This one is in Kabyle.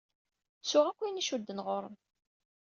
Ttuɣ akk ayen icudden ɣur-m.